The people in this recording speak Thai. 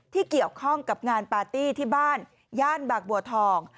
ที่เกี่ยวข้องกับงานปาร์ตี้ที่บ้านย่านบางบัวทอง